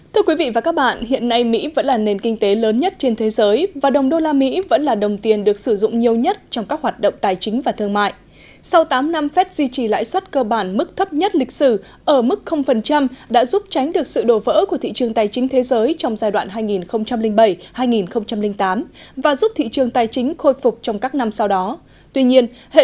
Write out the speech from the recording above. thưa quý vị và các bạn hiện nay mỹ vẫn là nền kinh tế lớn nhất trên thế giới và đồng đô la mỹ vẫn là đồng tiền được sử dụng nhiều nhất trong các hoạt động tài chính và thương mại